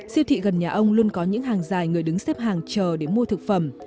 siêu thị gần nhà ông luôn có những hàng dài người đứng xếp hàng chờ để mua thực phẩm